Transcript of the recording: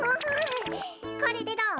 これでどう？